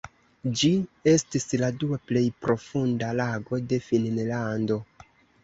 Ĝi estis la dua plej profunda lago de Finnlando.